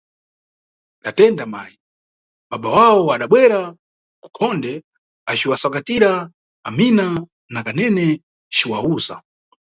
Tatenda mayi, baba wawo adabwera mukhonde acisvakatira Amina na Kanene ciwawuza